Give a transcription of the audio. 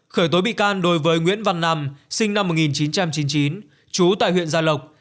khởi tố bị can đối với nguyễn văn nam sinh năm một nghìn chín trăm chín mươi chín trú tại huyện gia lộc